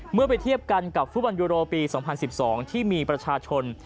เมื่อไปเทียบกันกับฟุตบอลยูโรปี๒๐๑๒ที่มีประชาชน